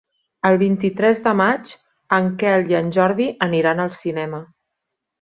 El vint-i-tres de maig en Quel i en Jordi aniran al cinema.